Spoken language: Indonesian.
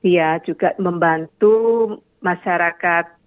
ya juga membantu masyarakat